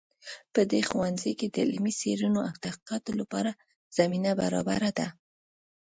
په دې ښوونځي کې د علمي څیړنو او تحقیقاتو لپاره زمینه برابره ده